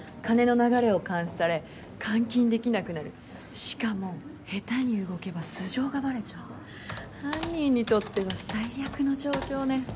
金の流れを監視され換金できなくなるしかも下手に動けば素性がバレちゃう犯人にとっては最悪の状況ね